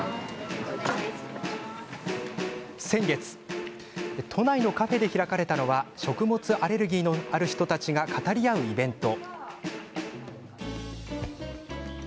先月都内のカフェで開かれたのは食物アレルギーのある人たちが語り合うイベント。